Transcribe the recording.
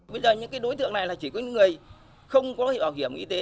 bây giờ những đối tượng này là chỉ có những người không có bảo hiểm y tế